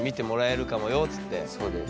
そうです。